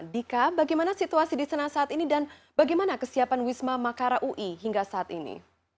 dika bagaimana situasi di sana saat ini dan bagaimana kesiapan wisma makara ui hingga saat ini